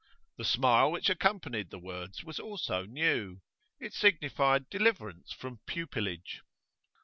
The smile which accompanied the words was also new; it signified deliverance from pupilage.